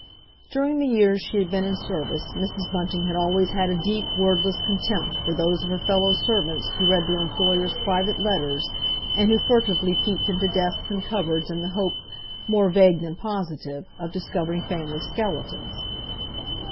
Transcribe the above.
During the years she had been in service Mrs. Bunting had always had a deep, wordless contempt for those of her fellow servants who read their employers' private letters, and who furtively peeped into desks and cupboards in the hope, more vague than positive, of discovering family skeletons.